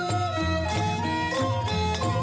โอ้โหโอ้โหโอ้โห